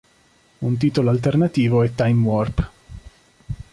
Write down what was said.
Un titolo alternativo è "Time Warp".